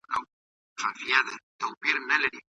د سولي راوستل د نړیوال امنیت لپاره یوازینۍ هیله ده.